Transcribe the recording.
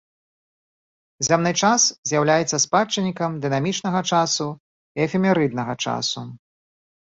Зямны час з'яўляецца спадчыннікам дынамічнага часу і эфемерыднага часу.